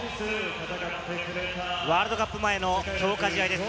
ワールドカップ前の強化試合です。